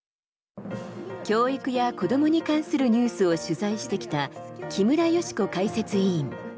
教育や子どもに関するニュースを取材してきた木村祥子解説委員。